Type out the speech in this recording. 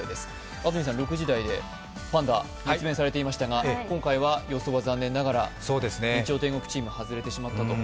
安住さん、６時台でパンダを熱弁されていましたが、今回は予想は残念ながら外れてしまったと。